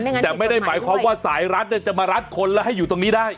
แต่ไม่ได้หมายความว่าสายรัดเนี่ยจะมารัดคนแล้วให้อยู่ตรงนี้ได้